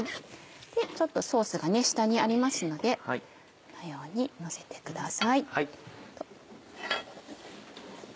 ちょっとソースが下にありますのでこのようにのせてください。